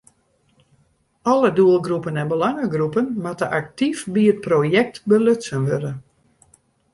Alle doelgroepen en belangegroepen moatte aktyf by it projekt belutsen wurde.